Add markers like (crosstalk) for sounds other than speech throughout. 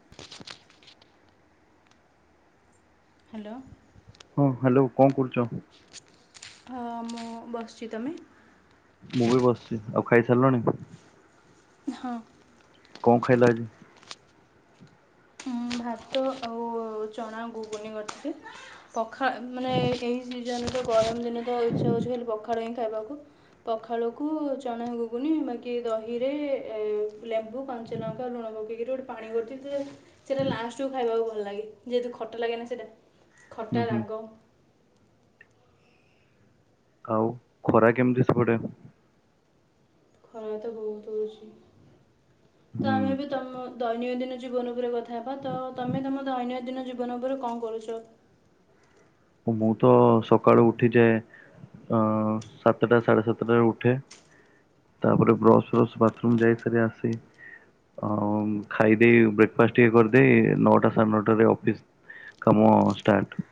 (inaudible) Hello. ହଁ hello କଣ କରୁଚ? ହଁ ମୁଁ ବସିଛି ତମେ? ମୁଁ ବି ବସିଛି। ଆଉ ଖାଇ ସାରିଲଣି? ହଁ। କଣ ଖାଇଲ ଆଜି? ମୁ ଭାତ ଅଉ-ଉ ଚଣା, ଘୁଘୁନି କର୍ ଥିଲି। ପଖାଳ ମାନେ ଏହି ସିଜନ ତ ଗରମ ଦିନେ ତ ଇଚ୍ଛା ହଉଛି ଖାଲି ପଖାଳ ହିଁ ଖାଇବାକୁ। ପଖାଳ କୁ ଚଣା ଘୁଘୁନି ବାଙ୍କୀ ଦହିରେ ଲେମ୍ବୁ ପା ସେ ଲଙ୍କା, ଲୁଣ ପକେଇକି ରୁ ପାଣି କରିଛି, ଯେ ସେଇଟା ଲାଷ୍ଟ୍ କୁ ଖାଇବାକୁ ଭଲ ଲାଗେ। ଯେହେ ତୁ ଖଟା ଲାଗେ ନା ସେଇଟା ହୁଁ ଖଟା, ହୁଁ ରାଗ। ଆଉ ଖରା କେମିତି ସେପଟେ? ଖରା ତ ବହୁତ୍ ହୋଉଛି। ତ ଆମେ ବି ହୁଁ ତମ ଦୈନିକ ଦିନ ଜୀବନ ଉପରେ କଥ ହେବ ତ, ତମେ ତମ ଦୈନିକ ଦିନ ଜୀବନ ଉପରେ କଁ କରୁଚ? ମୁଁ ତ ସକାଳୁ ଉଠିଯାଏ। ଅଁ ସାତଟା ସାଢେ ସାତ ଟାରେ ଉଠେ। ତାପରେ ବ୍ରସ, ପ୍ରସ୍ ବାଥରୁମ୍ ଯାଇ ଫେରେ ଆସି। ଆଉ ଖାଇଦେଇ ବ୍ରେକ୍ଫାଷ୍ଟ୍ ଟିକେ କରିଦେଇ। ନଅଟା ସାଢେ ନଅଟା ରେ ଅଫିସ୍ କାମ ଷ୍ଟାର୍ଟ।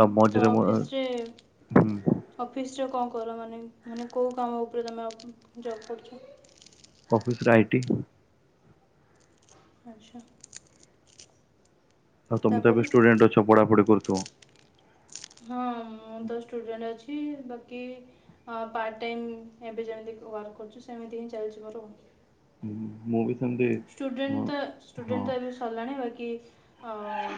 ଆଉ ତ ମଝିରେ ମ ହୁଁ ଅଫିସ ରେ। ଅଫିସ୍ ରେ କଣ କର ମାନେ, ମାନେ କୋଉଁ କାମ ଉପରେ ତମେ ଜବ୍ କରୁଚ? Office writing. ଆଚ୍ଛା। ଆଉ ତମେ ତ ଏବେ ତାପରେ ଷ୍ଟୁଡେଣ୍ଟ୍ ଅଛ। ପଢ଼ା, ପଢ଼ି କରୁ ଥିବ। ହଁ ମୁ ତ ଷ୍ଟୁଡେଣ୍ଟ୍ ଅଛି। ବାକି ହଁ ପାର୍ଟ ଟାଇମ୍ ଏବେ ଯେମିତି ୱାର୍କ କରୁଛି। ସେମିତି ହିଁ ଚାଲିଛି ମୋର। ମୁ ବି ସେମିତି। ଷ୍ଟୁଡେଣ୍ଟ୍ ହଁ ତ, ହଁ ଷ୍ଟୁଡେଣ୍ଟ୍ ତ ଏବେ ସାରିଲାଣି। ବାକି ଆଉ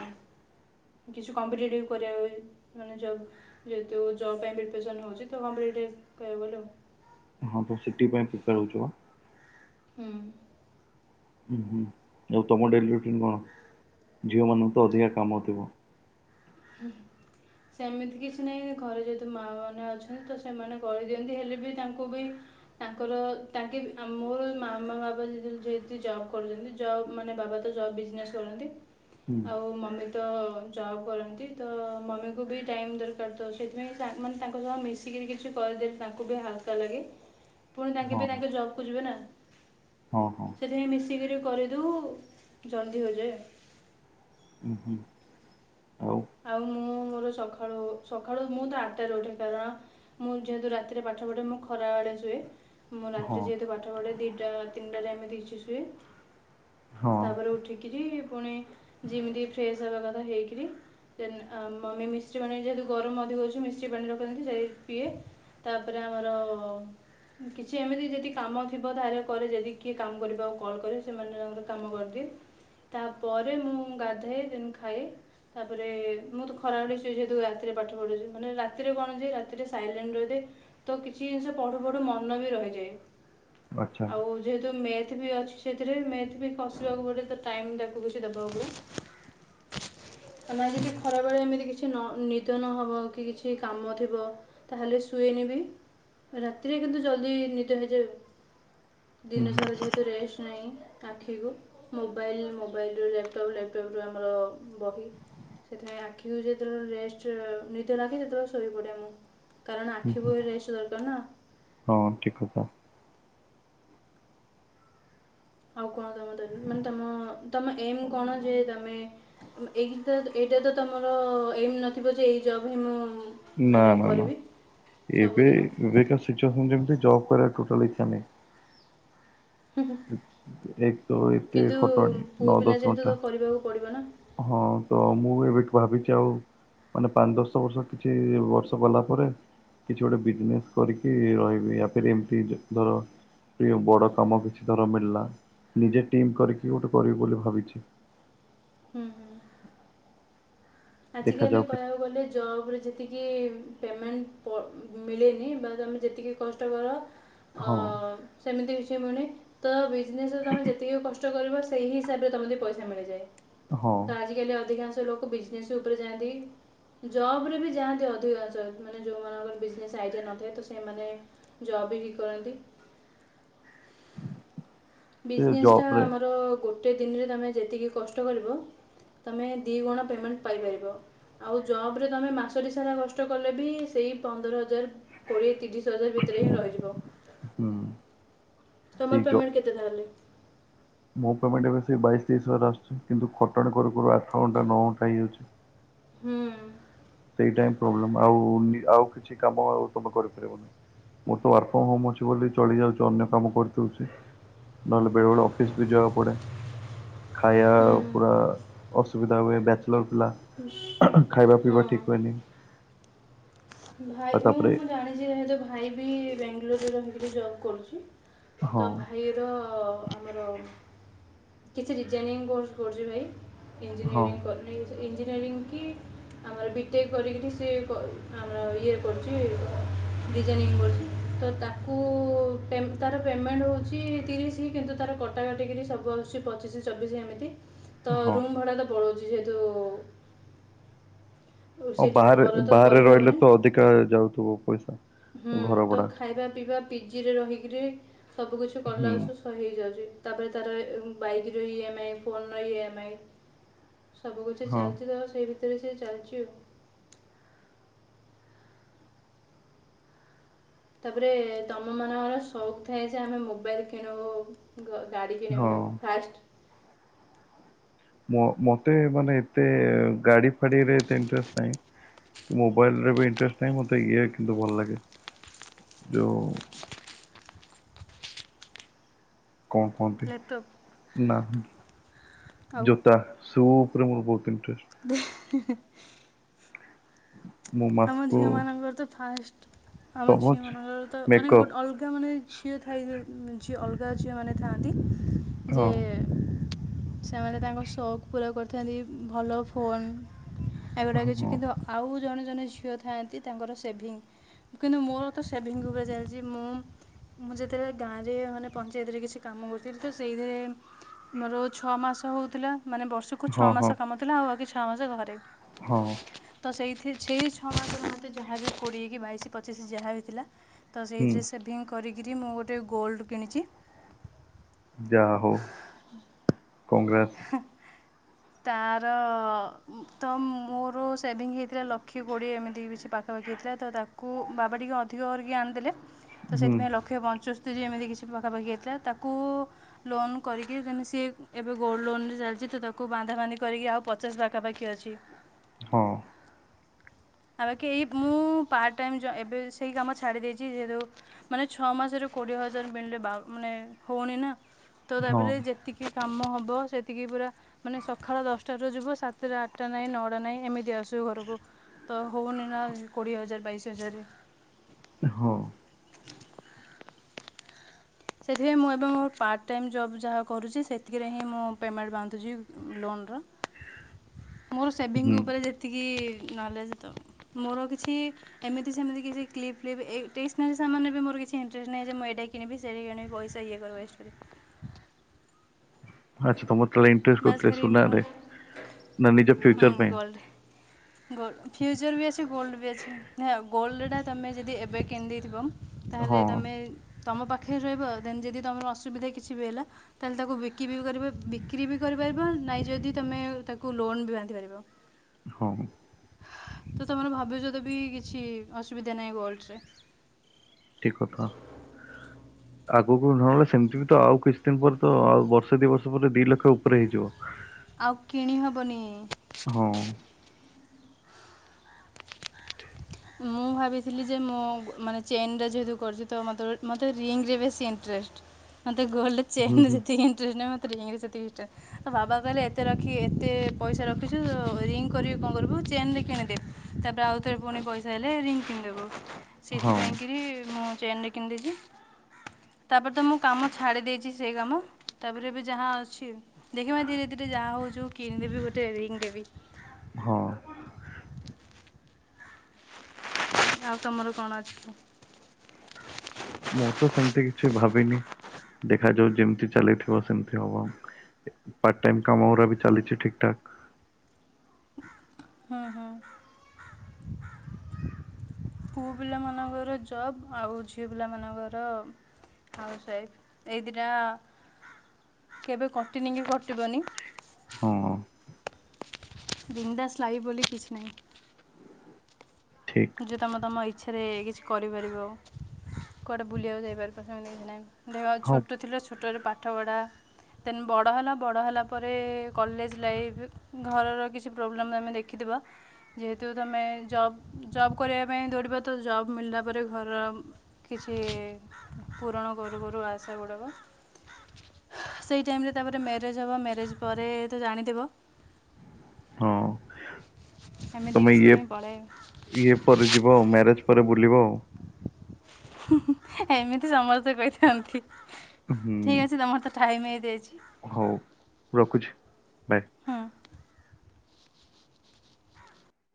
କିଛି କମ୍ପିଟେଟିଭି କରିବା ପାଇଁ ସୁଯୋଗ୍। ଯେହେତୁ ଜବ୍ ପ୍ରିପେଶନ ହୋଉଛି, ତ କମ୍ପିଟେଟିଭି କହିଆକୁଗଲେ ଆଉ। ହଁ ତ ସିଟି ପାଇଁ ପ୍ରିପ୍ରେୟାର ହୋଉଚ। ହୁଁ। ହୁଁ -ହୁଁ ଆଉ ତମ ଡେଲି ରୁଟିନ୍ କଣ? ଝିଅମାନଙ୍କୁ ତ ଅଧିକା କାମ ଥିବ। ହଁ। ସେମିତି କିଛି ନାହିଁ। ଘରେ ଯେହେତୁ ମା ମାନେ ଅଛନ୍ତି। ତ ସେମାନେ କରି ଦିଅନ୍ତି ହେଲେ ବି ତାଙ୍କୁ ବି ତାଙ୍କର ତାଙ୍କେ ଆମ୍ ମୋର ମାମା, ବାବା ଯେତି ଜବ୍ କରୁଚନ୍ତି। ଜବ୍ ମାନେ ବାବା ତ ଜବ ବିଜନେସ୍ କରନ୍ତି। ହୁଁ ଆଉ ମମି ତ ଜବ୍ କର ନ୍ତି। ତ ମମିଙ୍କୁ ବି ଟାଇମ୍ ଦରକାର ତ ସେଥିପାଇଁ ସାଙ୍ଗ୍ ମାନେ ତାଙ୍କ ସହ ମିଶିକିରି କିଛି କରଦେ ତାଙ୍କୁ ବି ହାଲକା ଲାଗେ। ହ (inaudible) ପୁଣି ତାଙ୍କେ ବି ତାଙ୍କ ଜବ୍ କୁ ଯିବେ ନା। ହଁ ହଁ! ସେଥିପାଇଁ ମିଶିକିରି କରିଦଉ ଜଲ୍ଦି ହୋଇଯାଏ। ହୁଁ ହୁଁ ଆଉ। ଆଉ ମୁଁ ମୋର ସଖାଳୁ ସଖାଳୁ ମୁଁ ତ ଆଟ୍ଟାରେ ଉଠେ। କାରଣ ମୁଁ ଯେହେତୁ ରାତିରେ ପାଠ ପଢ଼େ ମୁଁ ଖରାବଳେ ଶୁଏ। ମୁଁ ରାତିରେ ହଁ ଯେହେତୁ ପାଠ ପଡେ଼ ଦିଟା, ତିନିଟାରେ ଏମିତି କିଛି ଶୁଏ। ହଁ ତାପରେ ଉଠିକିରି ଫୁଣି ଦି ମିନିଟି ଫ୍ରେଶ୍ ହବା କଥା ହେଇକିରି ଦେନ୍ ଆଁ ମମି‌ ମିଶ୍ରୀ ପାଣି ଯେହେତୁ ଗରମ ଅଧିକ ହଉଛି ମିଶ୍ରୀ ପାଣି ରଖିନ୍ତି ସେ ପିଏ। ତାପରେ ଆମର କିଛି ଏମିତି ଯଦି କାମ ଥିବ ତାର କରେ ଯଦି କିଏ କାମ କରିବା ଆଉ କଲ୍ କରେ ସେମାନେ ତାଙ୍କର କାମ କରିଦିଏ। ତାପରେ ମୁଁ ଗାଧେ ଦେନ୍ ମୁଁ ଖାଏ। ତାପରେ ମୁଁ ତ (unintelligible) ଯେହେତୁ ରାତିରେ ପାଠ ପଢୁଚି ମାନେ ରାତିରେ କଣ ଯେ ରାତିରେ ସାଇଲେଣ୍ଟ ରହିଥାଏ। ତ କିଛି ଜିନ୍ଷ ପଢୁ ପଢୁ ମନ ବି ରହିଯାଏ ଆଚ୍ଛା ଆଉ ଯେହେତୁ ମେଥ୍ ବି ଅଛି ସେଥିରେ ମେଥ୍ ବି କସିବାକୁ ପଡ଼େ ତ ଟାଇମ୍ ତାକୁ କିଛି ଦେବାକୁ ହୁଏ। ତମେ ହୁଁ ଯଦି ଖରାବେଳେ ଏମିତି କିଛି ନ ନିଦ ନ ହବ କି କିଛି କାମ ଥିବ ତାହେଲେ ଶୁଏନ ବି। ରାତିରେ କିନ୍ତୁ ଜଲ୍ଦି ନିଦ ହେଇଯାଏ। ହୁଁ ଦିନ ହୁଁ ସାରା ଯେହେତୁ ରେଷ୍ଟ ନାଇଁ ଆଖିକୁ। ମୋବାଇଲ୍ ମୋବାଇଲୁ ଲ୍ୟାପଟପ୍ ଲ୍ୟାପଟପ୍ରୁ ଆମର ବହି ସେଥିପାଇଁ ଆଖିକୁ ଯେତେବେଳେ ରେଷ୍ଟ ର ନିଦ ଲାଖେ ସେତେବେଳେ ଶୋଇପଡେ ମୁଁ। କାରଣ ଆଖି ହୁଁ ବହି ରେଷ୍ଟ ଦରକାର ନା। ହଁ ଠିକ୍ କଥା। ଆଉ କଣ ତମର ତ ମାନେ ତମ ତମ ଏମ୍ କଣ ଯେ ତମେ ଉମ୍ ଏହିଟା ତ ଏଇଟା ତ ତମର ଏମ୍ ନଥିବ ଯେ ଏଇ ଜବ୍ ହିଁ ମୁଁ ନା ମାନେ ନା ନା କରିବି। ଏବେ ସବୁଦିନ ଏବକା ସିଶ୍ଚୁଏସନ୍ ଯେମ୍ତି ଜବ କରିବାକୁ (unintelligible) ଇଚ୍ଛା ନାହିଁ। ଏକ୍ ତ ଏତ କିନ୍ତୁ ଖଟନି ପୁଅ ନଅ ପିଲା ଦଶ ଯେହେତୁ ଘଣ୍ଟା। ତ କରିବାକୁ ପଡ଼ିବ ନା ହଁ ତ ମୁଁ ଏବେଠୁ ଭାବିଚି ଆଉ ମାନେ ପାନ୍ଦ ଦଶ ବର୍ଷ କିଛି ବର୍ଷ ଗଲା ପରେ କିଛି ଗୋଟେ ବିଜନେସ୍ କରିକି ରହିବି (unintelligible) ଏମ୍ତି ଧର ଟିକେ ବଡ଼ କାମ କିଛି ଥର ମିଳିଲା ନିଜେ ଟିମ୍ କରିକି ଗୋଟେ କରିବି ବୋଲି ଭାବିଚି। ହୁଁ ହୁଁ। ଆଜିକାଲି ଦେଖାଯାଉ କେ କହିବାକୁ ଗଲେ ଜବରେ ଯେତିକି ପେମେଣ୍ଟ ପ ମିଳେନି ବା ତମେ ଯେତିକି କଷ୍ଟ କର ହଁ। ହ ସେମିତି କିଛି ପୁଣି ତ ବିଜନେସରେ ତମେ ଯେତିକି କଷ୍ଟ କରିବ ସେଇ ହିସାବରେ ତମ କତିକି ପଇସା ମିଳିଯାଏ। ହଁ ତ ଆଜିକାଲି ଅଧିକାଂଶ ଲୋକ ବିଜନେସ୍ ଉପରେ ଯାଆନ୍ତି। ଜବରେ ବି ଯାହାନ୍ତି ଅଧିକାଂଶ ମାନେ ଯୋଉମାନଙ୍କର ବିଜନେସ୍ ଆଇଡିଆ ନଥାଏ ତ ସେମାନେ (unintelligible) ବି ଠିକ କରନ୍ତି ସେ ବିଜନେସ୍ ଟା ଜବ୍ ରେ ଆମର ଗୋଟେ ଦିନରେ ତମେ ଯେତିକି କଷ୍ଟ କରିବ ତୁମେ ଦୁଇ ଗୁଣ ପେମେଣ୍ଟ ପାଇପାରିବ ଆଉ ଜବ ରେ ତମେ ମାସଟି ସାରା କଷ୍ଟ କଲେ ବି ସେଇ ପନ୍ଦର ହଜାର କୋଡ଼ିଏ ତିରିଶ ହଜାର ଭିତରେ ହିଁ ରହିଯିବ। ହୁଁ ସେଇ କାମର ଜ ପେମେଣ୍ଟ କେତେ ତାଲେ ମୋ ପେମେଣ୍ଟ ଏବେ ସେ ବାଇଶ ତେଇଶ ହଜାର ଆସୁଛି କିନ୍ତୁ ଖଟଣାଣି କରୁ କରୁ ଆଠ ଘଣ୍ଟା ନଅ ଘଣ୍ଟା ହେଇଯାଉଛି ହୁଁ। ସେଇଟା ହ ପ୍ରୋବ୍ଲେମ ଆଉ ଆଉ କିଛି କାମ ଆଉ ତମେ କରିପାରିବନି ମୋର ତ ୱାର୍କ ଫ୍ରମ ହୋମ ଅଛି ବୋଲି ଚଳି ଯାଉଛି ଅନ୍ୟ କାମ କରିଉଛି ନହେଲେ ବେଳେ ବେଳେ ଅଫିସ ବି ଜିବାକୁ ପଡେ ଖାଇବା ପୁରା ଅସୁବିଧା ହୁଏ ବ୍ୟାଚଲର ପିଲା ଖାଇବା ପିଇବା ହଁ ଠିକ ହୁଏନି ଭାଇ ଆଉ ମୁଁ ତାପରେ ମୁଁ ଜାଣିଛିହତ ଭାଇ ବି ବେଙ୍ଗାଲୋରରେ ରହିକରି ଜବ୍ କରୁଛି ହଁ ତ ଭାଇ ଆର କିଛି ଡିଜାଇନି କରଛି ଭାଇ ହଁ ଇଞ୍ଜିନିୟରିଂ ଇଞ୍ଜିନିୟରିଂ କି ଆମର ବିଟେକ୍ କରିକରି ସେଏ ଆମର ଇଏ କରୁଛି ଡିଜାଇନିଙ୍ଗି କରଛି। ତ ତାକୁ ତାର ପ୍ରେମେଣ୍ଟେ ହେଉଛି ତିରିଶି କିନ୍ତୁ ତାର କଟା କଟି କରିକି ସବୁ ପଚିଶି ଚବିଶି ତ ହଁ ରୁମ୍ ଭଡା ତ ପଳେଉଛି ଯେହତୁ ହଁ ସେଠି ବାହାରେ ଘର ତ ବାହାରେ ରହିଲେ କରିହେବନି ତ ଅଧିକା ଯାଉଥିବ ପଇସା ହୁଁ ଘର ତ ଭଡା ଖାଇବା ପିଇବା ପିଜିରେ ରହିକି ସବୁ କିଛି କଲା ହୁଁ ବେଳକୁ ହେଇଯାଉଛି ତାପରେ ତାର ବାଇକିର ଇମ ଆଇ ଫୋନ୍ ର ଇମ ଆଇ ସବୁ କିଛି ହଁ ଚାଲିଛି ତ ସେଇ ଭିତରେ ସେ ଚାଲିଛି ଆଉ ତାପରେ ତମ ମାନଙ୍କର ସଉକ୍ ଥାଏ ଯେ ଆମେ ମୋବାଇଲି କିଣିବୁ। ଗ ଗାଡି କିଣିବା ହଁ ପାଇଁ ଫାଷ୍ଟେ ମ ମତେ ମାନେ ଏତେ ଗାଡି ଫାଡିରେ ଇଟେଷ୍ଟେ ନାହିଁ। ମୋବାଇଲିରେ ବି ଇଣ୍ଟରେଷ୍ଟ ନାହିଁ ମତେ ଇଏଆ କିନ୍ତୁ ଭଲ ଲାଗେ ଯୋଉଁ କଣ କୁହନ୍ତି ଲ୍ୟାପଟପ୍ ନା। ଆଉ (unintelligible) ସୁପ୍ ରେ ମେର ବହୁତ ଇଣ୍ଟେରେଷ୍ଟ। (inaudible) ମୁଁ ଆମ ମାସକୁ ଝିଅ ମାନଙ୍କର ତ ଫାଷ୍ଟ ଆମ ଝିଅ ତମଚ ମାନଙ୍କର ତ ମାନେ ମେକଅପ୍ ଗୋଟେ ଅଲଗା ମାନେ ଝିଅ ଥାଇ ଝିଅ ଅଲଗା ଝିଅମାନୋ ଥାଆନ୍ତି ଯେ ହଁ ସେମାନେ ତାଙ୍କ ସେକ୍ ପୁରା କରିଥାନ୍ତି ଭଲ ଫୋନ୍ ଏଗୁଡା ହଁ କିଛି କିନ୍ତୁ ଆଉ ଜଣେ ଜଣେ ଝିଅ ଥାଆନ୍ତି ତାଙ୍କର ସେଭିଙ୍ଗି କିନ୍ତୁ ମୋର ତ ସେଭିଙ୍ଗି ଏବେ ଚାଲିଛି ମୁଁ ମୁଁ ଯେତେବେଳେ ଗାଁ ରେ ମାନେ ପଞ୍ଚାୟତରେ କିଛି କାମ କରୁଥିଲି ତ ସେଇଥିରେ ମୋର ଛଅ ମାସ ହଉଥିଲା ମାନେ ବର୍ଷକୁ ଛଅ ହଁ ହଁ ମାସ କାମଥିଲା ଆଉ ଛଅ ମାସେ ଘରେ। ହଁ। ତ ସେଇଥି ସେଇ ଛଅ ମାସ ମେତେ ଯାହାବି କୋଡିଏ କି ବାଇଶି ପଚିଶି ଯାହା ବିଥିଲା ତ ହୁଁ ସେଇଥିରେ ସେଭିଙ୍ଗି କରିକି ମୁଁ ଗୋଟେ ଗୋଲ୍ଡ କିଣିଛି। ଯା ହଉ କଗ୍ରୋଯୁଲେସନ୍। ତାର ତ ମୋର ସେଭିଙ୍ଗି ହେଇଥିଲା ଲକ୍ଷେ କୋଡ଼ିଏ ଏମିତି କିଛି ପାଖାପାଖି ହେଇଥିଲା ତ ତାକୁ କୁ ବାବା ଟିକେ ଅଧିକ କରିକି ଆଣିଦେଲେ ତ ହୁଁ ସେଥିପାଇଁ ଲ ଲକ୍ଷ ପଞ୍ଚସ୍ତରି ଏମିତି କିଛି ପାଖାପାଖି ହେଇଥିଲା ତାକୁ ଲୋନ୍ କରିକି ମାନେ ସିଏ ଏପ୍ ଏବେ ଗୋଲ୍ଡ ଲୋନ୍ ରେ ଚାଲିଛି ତ ତାକୁ ବାନ୍ଧା ବାନ୍ଧି କରିକି ଆଉ ପଚାଶେ ପାଖା ପାଖି ଅଛି। ହଁ। ପାଖା ପାଖି ଏଇ ମୁଁ ପାର୍ଟ ଟାଇମ୍ ଜ ଏବେ ସେଇ କାମ ଛାଡି ଦେଇଛି ଯେହେତୁ ମାନେ ଛଅ ମାସରେ କୋଡ଼ିଏ ହଜାର ମିଳିଲେ ବା ମାନେ ହେଉନି ନା। ତ ହଁ ତାପରେ ଯେତିକି କାମ ହ ବ ସେତିକି ପୁରା ମାନେ ସକାଳ ଦଶଟାରୁ ଯିବ ସାତଟା ଆଠଟା ନାଇଁ ନଅଟା ନାଇଁ ଏମିତି ଆସୁ ଆସୁ ଘରକୁ ତ ହଉନି ନା କୋଡ଼ିଏ ହଜାର ବାଇଶି ହଜାର। ହଁ। ସେଥିପାଇଁ ମୁଁ ଏବେ ମୋ ପାର୍ଟ ଟାଇମ୍ ଜବ୍ ଯାହା କରୁଛି ସେଥିରେ ହିଁ ମୁଁ ପେମେଣ୍ଟ ବାନ୍ଧୁଛି। ଲୋନ୍ ର ମୋର ସେଭିଙ୍ଗି ହୁଁ ଉପରେ ଯେତିକି ନଲେଜ୍ ତ ମୋର କିଛି ଏମିତି ସେମିତି କିଛି କିଲିପି ଫିଲିପି ଏ ଟେସେନାରି ସାମାନ ମୋର ବି କିଛି ଇଟ୍ରୋଷ୍ଟୋ ନାହିଁ ଯେ ମୁଁ ଏଇଟା କିଣିବି। ସେଣେ ଗେଣେ ପଇସା ଇଏ କରିବେ। ଆଛା ତମର ତାହଲେ ଇଣ୍ଟରେଷ୍ଟ ବାସ୍ କଉଥିରେ ଖାଲି ମୁଁ ସୁନାରେ ନା ନିଜ ଫ୍ୟଚର ପାଇଁ? ଗୋଲଡ଼ ଫ୍ୟୁଚର୍ ବି ଅଛି ଗୋଲ୍ଡ ବି ଅଛି ନା ଗୋଲ୍ଡଟା ତୁମେ ଯଦି ଏବେ କିଣିଦେଇଥିବ। ହଁ ତାହେଲେ ତମେ ତମ ପାଖରେ ରହିବ ଦେନ୍ ଯଦି ତମର ଅସୁବିଧା କିଛି ବି ହେଲା ତାହେଲେ ତାକୁ ବିକି ବି ପାରିବ ବିକି ବିକ୍ରି ବି କରିପାରିବ ନାଇଁ ଯଦି ତମେ ତାକୁ ଲୋନ୍ ବି ବାନ୍ଧିପାରିବ। ହଉ। ତ ତମର ଭବିଷ୍ୟତ ବି କିଛି ଅସୁବିଧା ନାହିଁ ଗୋଲ୍ଡରେ। ଠିକ୍ କଥା। ଆଗକୁ ନହେଲେ ସେମିତି ବି ତ ଆଉ କିଛି ଦିନ ପରେ ତ ଆଉ ବର୍ଷେ ଦି ବର୍ଷ ପରେ ଦିଇ ଲକ୍ଷ ଉ ଆଉ କିଣି ହେବନି। ହଁ। ମୁଁ ଭାବିଥିଲି ଯେ, ମୁଁ ମାନେ ଚେନ୍ ଟା ଯେହେତୁ କରିଛି ତ ମୋତେ ଗୋ ମୋତେ ରିଙ୍ଗରେ ବେଶୀ ଇଣ୍ଟ୍ରେଷ୍ଟ। ମତେ ଗୋଲ୍ଡ ହୁଁ ଚେନ୍ ହୁଁ ଯେତିକି ଇନଟ୍ରେଷ୍ଟ ନୁହେଁ ମତେ ରିଙ୍ଗରେ ସେତିକି ଇନଟ୍ରେଷ୍ଟ। ଆଉ ବାବା କହିଲେ ଏତେ ରଖି ଏତେ ପଇସା ରଖିଛୁ। ରିଙ୍ଗ କରି କି କଣ କରିବୁ ଚେନଟେ କିଣିଦେ। ତାପରେ ଆଉ ଥରେ ପୁଣି ପଇସା ହେଲେ ରିଙ୍ଗ କିଣିଦେବୁ। ହଁ ସେଥିପାଇଁ କିରି ମୁଁ ଚେନରେ କିଣି ଦେଇଚି। ତାପରେ ତ ମୁଁ କାମ ଛାଡି ଦେଇଛି ସେଇ କାମ। ତାପରେ ଏବେ ଯାହା ଅଛି। ଦେଖିବା ଧୀରେ ଧୀରେ ଯାହା ହଉଛୁ ହଉ କିଣିଦେବି ଗୋଟେ ରିଙ୍ଗ ଦେବି। ହଁ। ଆଉ ତମର କଣ ଅଛି? ମୁଁ ତ ସେମିତି କିଛି ଭାବିନି ଦେଖାଯାଉ ଯେମିତି ଚାଲି ଥିବ ସେମିତି ହବ। ପାର୍ଟ ଟାଇମ କାମ ଗୁଡା ବି ଚାଲିଛି ଠିକ ଠାକ। ହଁ ହଁ। ପୁଅ ପିଲାମାନଙ୍କର ଜବ୍ ଆଉ ଝିଅ ପିଲାମାନଙ୍କର ହାଉସ ୱାଇଫ ଏଇ ଦିଟା କେବେ କଟିନି କି, କଟିବନି। ହଁ। ବିନ୍ଦାସ ଲାଇଫ ବୋଲି କିଛି ନାହିଁ। ଠିକ୍ ଯେ ତୁମ ତୁମ ଇଚ୍ଛାରେ କିଛି କରିପାରିବ। କୁଆଡ଼େ ବୁଲିବାକୁ ଯାଇପାରିବ ସେମିତି କିଛି ନାହିଁ। ଦେହ ହଁ ଛୋଟ ଥିଲେ। ଛୋଟରୁ ପାଠପଢ଼ା ଦେନ ବଡ଼ ହେଲା, ବଡ଼ ହେଲା ପରେ କଲେଜ ଲାଇଫ୍ ଘରର କିଛି ପ୍ରୋବ୍ଲେମ୍ ତମେ ଦେଖିଥିବ, ଯେହେତୁ ତମେ ଜବ୍ ଜବ୍ କରିବା ପାଇଁ ଦୌଡ଼ିବ ତ ଜବ୍ ମିଳିଲା ପରେ ଘର କିଛି ପୂରଣ କରୁ କରୁ ଆଶା ଗୁଡ଼ାକ ସେଇ ଟାଇମରେ ତାପରେ ମ୍ୟାରେଜ ହବ, ମ୍ୟାରେଜ ପରେ ତ ଜାଣିଥିବ। ହଁ। ଏମିତି ତମେ କିଛି ଇଏ ଟାଇମ ପଳାଏ। ଇଏ ପରେ ଯିବ, ମ୍ୟାରେଜ ପରେ ବୁଲିବ। ଏମିତି ସମସ୍ତେ କହିଥାନ୍ତି, ହୁଁ ଠିକ୍ ଅଛି ତମର ତ ଟାଇମ ହେଇ ଯାଇଛି। ହଉ ରଖୁଛି, ବାଏ ହଁ।